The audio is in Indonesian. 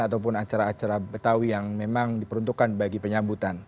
ataupun acara acara betawi yang memang diperuntukkan bagi penyambutan